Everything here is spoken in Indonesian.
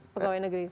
pegawai negeri sipil